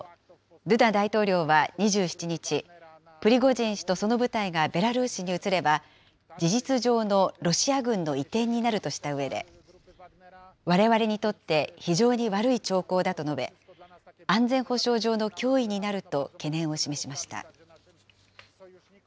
ドゥダ大統領は２７日、プリゴジン氏とその部隊がベラルーシに移れば、事実上のロシア軍の移転になるとしたうえで、われわれにとって非常に悪い兆候だと述べ、安全保障上の脅威になると懸念を示しました。